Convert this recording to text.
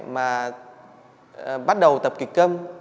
mà bắt đầu tập kịch câm